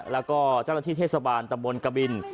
แล้วก็เจ้าหน้าที่เทศบาลตำบลกบิน